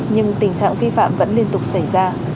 nhưng tình trạng vi phạm vẫn liên tục xảy ra